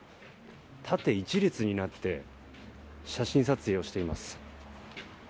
縦１列になって写真撮影をしています。